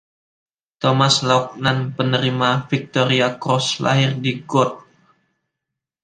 Thomas Laugnan, penerima Victoria Cross, lahir di Gort.